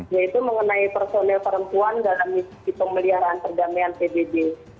yaitu mengenai personil perempuan dalam misi pemeliharaan perdamaian pbb